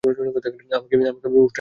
আমাকে বলল, উষ্ট্রের বাঁধন খুলে দাও।